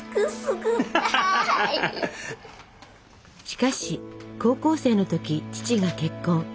しかし高校生の時父が結婚。